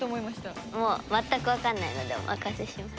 もう全くわかんないのでお任せします。